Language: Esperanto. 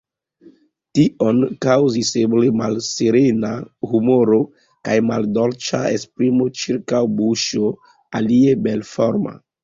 Tion kaŭzis, eble, malserena humoro kaj maldolĉa esprimo ĉirkaŭ buŝo, alie belforma.